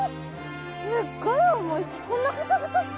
すっごい重いし。